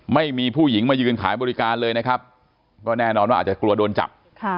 ไม่มีผู้หญิงมายืนขายบริการเลยนะครับก็แน่นอนว่าอาจจะกลัวโดนจับ